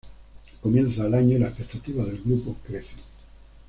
Comienza el año y las expectativas del grupo crecen.